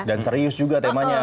dan serius juga temanya